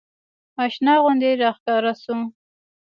اشنا غوندې راښکاره سو.